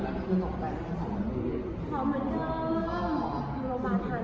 วันนี้เค้ายิ่งงามสามอาหาร